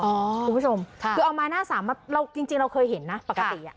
คุณผู้ชมคือเอาไม้หน้าสามมาเราจริงเราเคยเห็นนะปกติอ่ะ